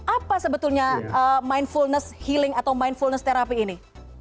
apa sebetulnya mindfulness healing atau mindfulness terapi ini